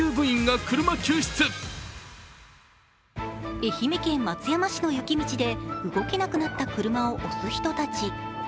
愛媛県松山市の雪道で動けなくなった車を押す人たち。